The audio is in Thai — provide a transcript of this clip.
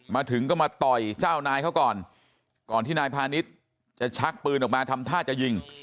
มาถึงก็มาต่อยเจ้านายเขาก่อนก่อนที่นายพาณิชย์จะชักปืนออกมาทำท่าจะยิง